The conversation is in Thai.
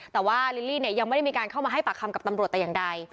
แต่ว่าลิลลี่เนี่ยยังไม่ได้มีการเข้ามาให้ปากคำกับตำรวจแต่อย่างใด